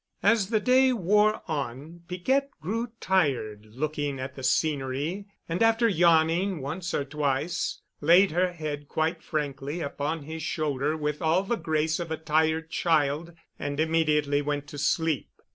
As the day wore on Piquette grew tired looking at the scenery and after yawning once or twice, laid her head quite frankly upon his shoulder with all the grace of a tired child and immediately went to sleep.